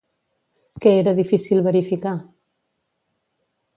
Què era difícil verificar?